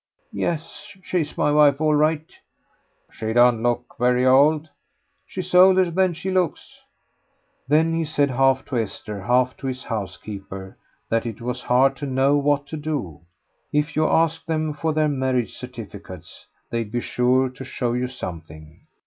"Yes, she's my wife all right." "She don't look very old." "She's older than she looks." Then he said, half to Esther, half to his housekeeper, that it was hard to know what to do. If you asked them for their marriage certificates they'd be sure to show you something.